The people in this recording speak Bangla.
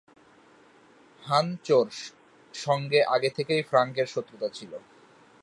হান চোর সঙ্গে আগে থেকেই ফ্রাঙ্কের শত্রুতা ছিল।